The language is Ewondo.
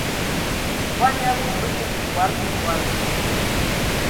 Bɔn ya abum, bə nə mimbɔl mimbɔl.